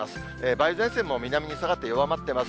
梅雨前線も南に下がって、弱まっています。